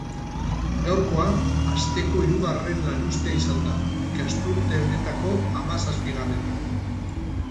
Gaurkoa asteko hirugarren lanuztea izan da, ikasturte honetako hamazazpigarrena.